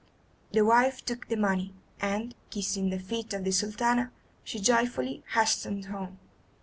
The wife took the money, and, kissing the feet of the Sultana, she joyfully hastened home.